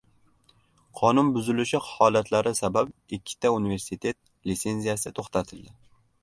Qonun buzilishi holatlari sabab ikkita universitet lisenziyasi to‘xtatildi